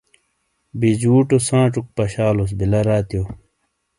بِجُوٹو سانچوک پشالوس بِیلا راتیو۔